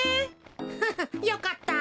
フフよかった。